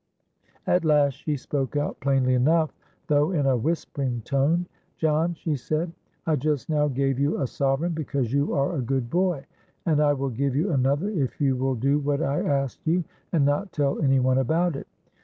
At last she spoke out plainly enough, though in a whispering tone. 'John,' she said, 'I just now gave you a sovereign, because you are a good boy; and I will give you another if you will do what I ask you and not tell any one about it.